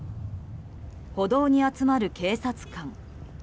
歩道に集まる警察官。